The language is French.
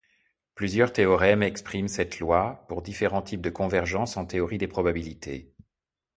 Plusieurs théorèmes expriment cette loi, pour différents types de convergence en théorie des probabilités.